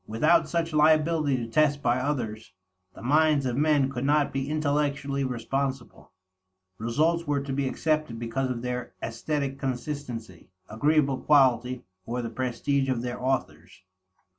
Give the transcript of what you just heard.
Without such liability to test by others, the minds of men could not be intellectually responsible; results were to be accepted because of their aesthetic consistency, agreeable quality, or the prestige of their authors.